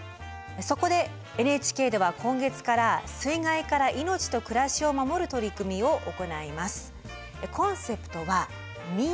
そこでＮＨＫでは今月から水害から命と暮らしを守る取り組みを行います。